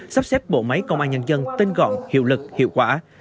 sắp xếp bộ máy công an nhân dân tinh gọn hiệu lực hiệu quả